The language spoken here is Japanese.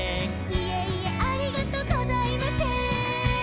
「いえいえありがとうございませーん」